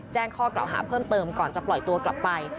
แจ้งข้อกล่าวหาเพิ่มเติมก่อนจะปล่อยตัวกลับไป